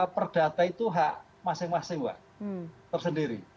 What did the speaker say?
perdata itu hak masing masing pak tersendiri